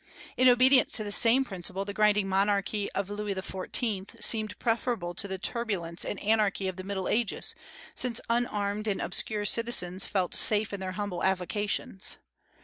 In obedience to this same principle the grinding monarchy of Louis XIV. seemed preferable to the turbulence and anarchy of the Middle Ages, since unarmed and obscure citizens felt safe in their humble avocations.